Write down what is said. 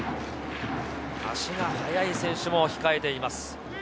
足が速い選手も控えています。